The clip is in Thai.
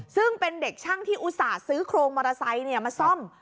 ซึ่งเป็นเด็กช่างที่อุตส่าห์ซื้อโครงมอเตอร์ไซค์มาซ่อม